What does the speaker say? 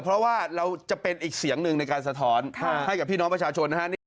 เพราะว่าเราจะเป็นอีกเสียงหนึ่งในการสะท้อนให้กับพี่น้องประชาชนนะฮะ